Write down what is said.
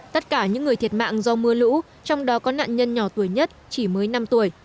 tất cả những người thiệt mạng do mưa lũ trong đó có nạn nhân nhỏ tuổi nhất chỉ mới năm tuổi